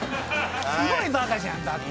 すごいバカじゃんだって。